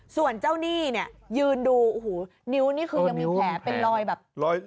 ส่วนเจ้าหนี้เนี่ยยืนดูโอ้โหนิ้วนี่คือยังมีแผลเป็นรอยแบบ